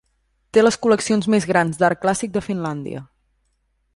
Té les col·leccions més grans d'art clàssic de Finlàndia.